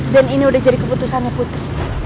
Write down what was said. dan ini udah jadi keputusannya putri